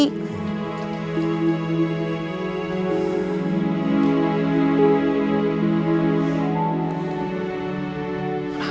kenapa sih dia